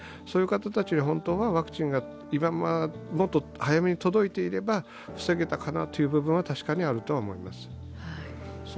そういう方たちにワクチンがもっと早めに届いていれば防げたかなという部分は確かにあるとは思います。